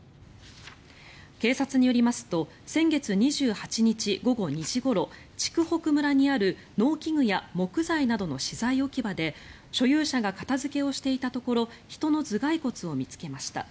警察によりますと先月２８日午後２時ごろ筑北村にある農機具や木材などの資材置き場で所有者が片付けをしていたところ人の頭がい骨を見つけました。